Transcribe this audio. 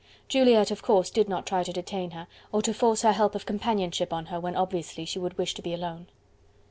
Juliette, of course, did not try to detain her, or to force her help of companionship on her when obviously she would wish to be alone.